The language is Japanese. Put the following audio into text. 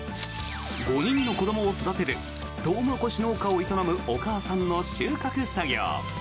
５人の子どもを育てるトウモロコシ農家を営むお母さんの収穫作業。